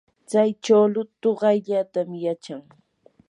tsay chuulu tuqayllatam yachan.